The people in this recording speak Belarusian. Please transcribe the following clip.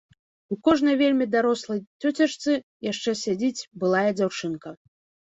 У кожнай вельмі дарослай цёцечцы яшчэ сядзіць былая дзяўчынка.